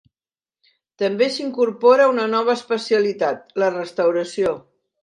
També s'incorpora una nova especialitat, la restauració.